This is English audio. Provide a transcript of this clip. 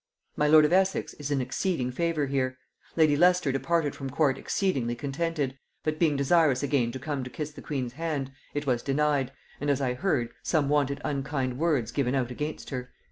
My lord of Essex is in exceeding favor here. Lady Leicester departed from court exceedingly contented, but being desirous again to come to kiss the queen's hand, it was denied, and, as I heard, some wonted unkind words given out against her."